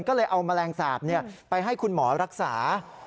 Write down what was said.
ก็เลยเอาแมลงสาปไปให้คุณหมอรักษา